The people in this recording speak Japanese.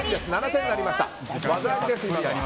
７点になりました。